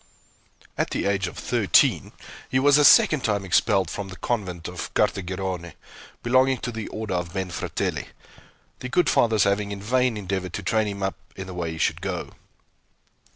At the age of thirteen he was a second time expelled from the convent of Cartegirone, belonging to the order of Benfratelli, the good fathers having in vain endeavored to train him up in the way he should go.